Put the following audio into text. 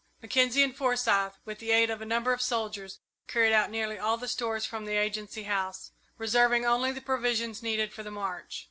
Mackenzie and Forsyth, with the aid of a number of soldiers, carried out nearly all the stores from the Agency House, reserving only the provisions needed for the march.